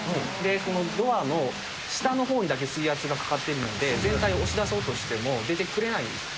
このドアの下のほうにだけ水圧がかかってるので、全体を押し出そうとしても出てくれないんです。